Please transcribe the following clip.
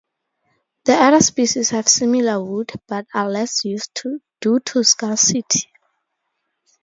The other species have similar wood, but are less-used due to scarcity.